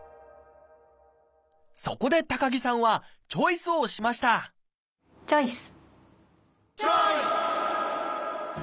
そこで高木さんはチョイスをしましたチョイス！